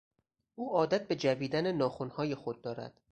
او عادت به جویدن ناخنهای خود دارد.